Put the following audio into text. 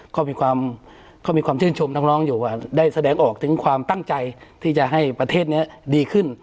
ก็มีความชื่นชมน้องอยู่ว่าได้แสดงออกถึงความตั้งใจที่จะให้ประเทศนี้ดีขึ้น